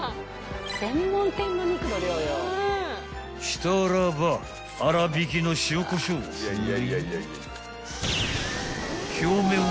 ［したらば粗びきの塩こしょうを振り］